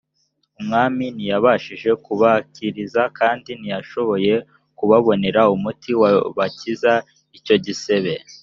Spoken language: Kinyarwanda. umwami ntiyabashije kubakiza kandi ntiyashoboye kubabonera umuti wabakiza icyo gisebe